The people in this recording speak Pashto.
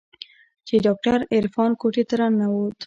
چې ډاکتر عرفان کوټې ته راننوت.